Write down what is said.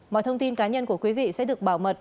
mọi thông tin cá nhân của quý vị sẽ được bảo mật